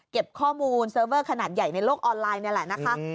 ข้อมูลเซิร์ฟเวอร์ขนาดใหญ่ในโลกออนไลน์นี่แหละนะคะ